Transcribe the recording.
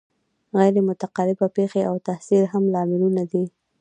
غیر مترقبه پیښې او تحصیل هم لاملونه دي.